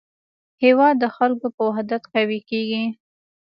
هېواد د خلکو په وحدت قوي کېږي.